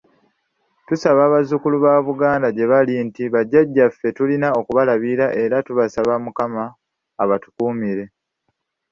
Tusaba abazzukulu ba Buganda gyebali nti bajjaja ffe tulina okubalabirira era tusaba Mukama abatukuumire.